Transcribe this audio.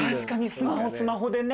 スマホスマホでね。